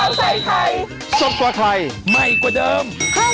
สวัสดีครับทุกคน